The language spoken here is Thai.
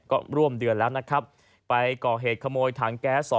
ก็ร่วมเดือนแล้วนะครับไปก่อเหตุขโมยถังแก๊ส